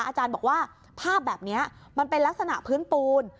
อาจารย์บอกว่าภาพแบบนี้มันเป็นลักษณะพื้นปูน